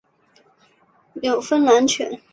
纽芬兰犬。